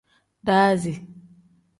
Daazi.